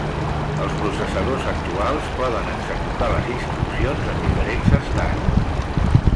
Els processadors actuals poden executar les instruccions en diferents estats.